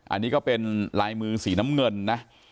อันนี้ก็เป็นลายมือสีน้ำเงินนะ